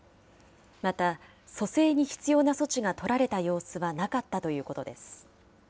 また、蘇生に必要な措置が取られた様子はなかったということです。